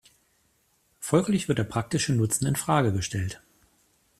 Folglich wird der praktische Nutzen in Frage gestellt.